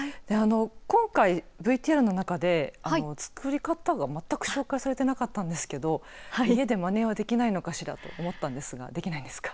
今回、ＶＴＲの中で作り方が全く紹介されていなかったんですけど家でまねはできないのかしらと思ったんですができないんですか。